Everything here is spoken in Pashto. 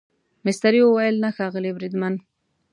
مستري وویل نه ښاغلی بریدمن.